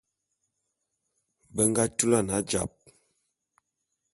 Be nga tulan ajap.